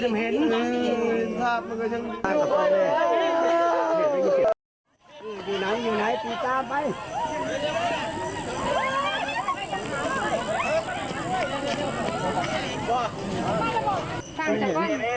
มันนี่มันนี่มันนี่